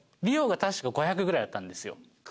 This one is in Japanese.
リオが確か５００ぐらいだったんですよ。